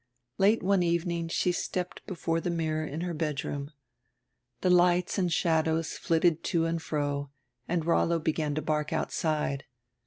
Late one evening she stepped before die mirror in her bed room. The lights and shadows flitted to and fro and Rollo began to bark outside.